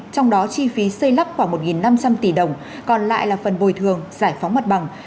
trong đó chi phí xây lắp khoảng một năm trăm linh tỷ đồng còn lại là phần bồi thường giải phóng mặt bằng